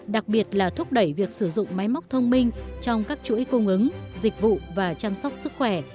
đặc biệt là thúc đẩy việc sử dụng máy móc thông minh trong các chuỗi cung ứng dịch vụ và chăm sóc sức khỏe